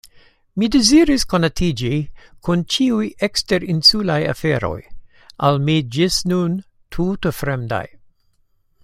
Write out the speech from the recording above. Mi deziris konatiĝi kun ĉiuj eksterinsulaj aferoj, al mi ĝis nun tute fremdaj.